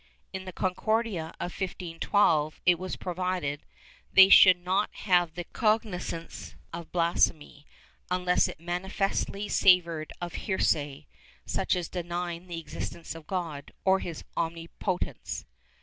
In the Concordia of 1512 it was provided that they should not have cog nizance of blasphemy, unless it manifestly savored of heresy, such as denying the existence of God or his onmipotence.